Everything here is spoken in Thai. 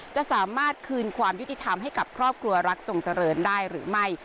จะสามารถคืนความยุติธรรมให้กับครอบครัวรักจงเจริญได้หรือไม่